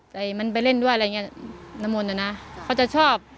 แต่มันไปเล่นด้วยอะไรอย่างเงี้ยน้ำมนต์น่ะนะเขาจะชอบ